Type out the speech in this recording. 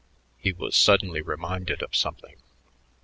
He was suddenly reminded of something.